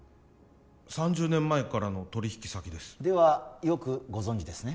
３０年前からの取引先ですではよくご存じですね？